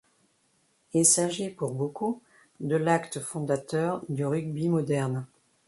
Il s'agit, pour beaucoup, de l'acte fondateur du rugby moderne.